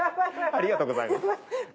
ありがとうございます。